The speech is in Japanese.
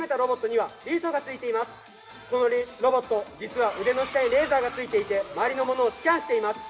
このロボット実は腕の下にレーザーが付いていて周りのものをスキャンしています。